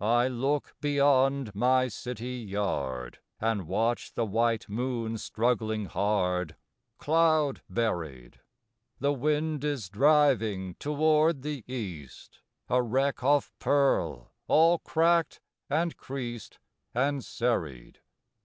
I look beyond my city yard, And watch the white moon struggling hard, Cloud buried; The wind is driving toward the east, A wreck of pearl, all cracked and creased And serried.